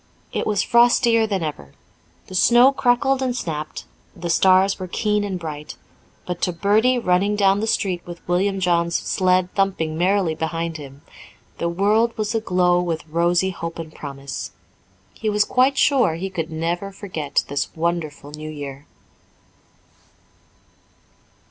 It was frostier than ever. The snow crackled and snapped, the stars were keen and bright, but to Bertie, running down the street with William John's sled thumping merrily behind him, the world was aglow with rosy hope and promise. He was quite sure he could never forget this wonderful New Year.